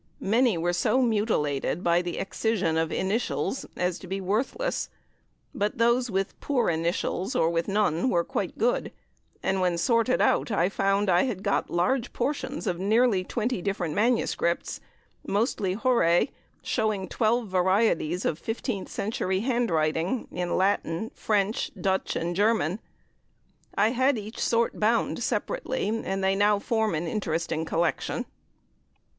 Many were so mutilated by the excision of initials as to be worthless, but those with poor initials, or with none, were quite good, and when sorted out I found I had got large portions of nearly twenty different MSS., mostly Horae, showing twelve varieties of fifteenth century handwriting in Latin, French, Dutch, and German. I had each sort bound separately, and they now form an interesting collection.